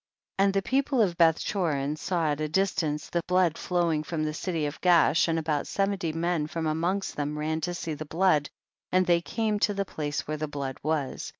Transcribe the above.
52. And the people of Bethcho rin saw at a distance the blood flow ing from the city of Gaash, and about seventy men from amongst them ran to see the blood, and they came to the place where the blood was.